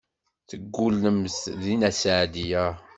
Teggullemt deg Nna Seɛdiya.